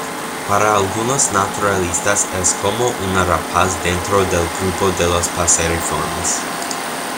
Para algunos naturalistas es como una rapaz dentro del grupo de los paseriformes.